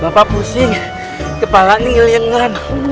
bapak pusing kepala ini liang liang